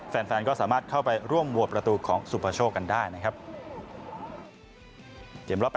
แฟนก็สามารถเข้าไปร่วมโหวตประตูของสุปโชคกันได้นะครับ